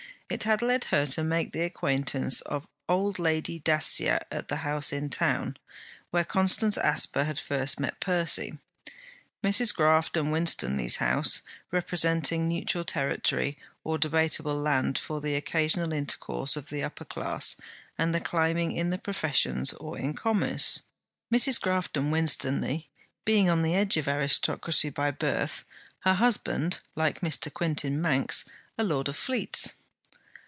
It had led her to make the acquaintance of old Lady Dacier, at the house in town, where Constance Asper had first met Percy; Mrs. Grafton Winstanley's house, representing neutral territory or debateable land for the occasional intercourse of the upper class and the climbing in the professions or in commerce; Mrs. Grafton Winstanley being on the edge of aristocracy by birth, her husband, like Mr. Quintin Manx, a lord of fleets.